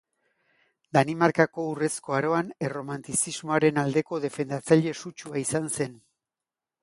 Danimarkako Urrezko Aroan Erromantizismoaren aldeko defendatzaile sutsua izan zen.